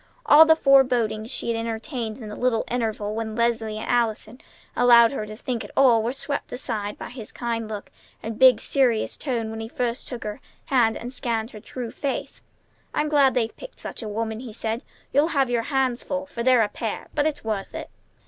All the forebodings she had entertained in the little intervals when Leslie and Allison allowed her to think at all were swept aside by his kind look and big, serious tone when he first took her hand and scanned her true face. "I'm glad they've picked such a woman!" he said. "You'll have your hands full, for they're a pair! But it's worth it!"